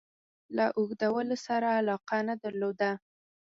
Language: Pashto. له اوږدولو سره علاقه نه درلوده.